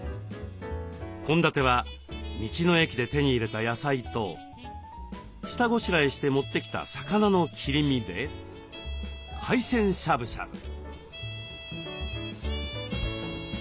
献立は道の駅で手に入れた野菜と下ごしらえして持ってきた魚の切り身で海鮮しゃぶしゃぶ。